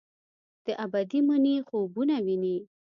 د ابدي مني خوبونه ویني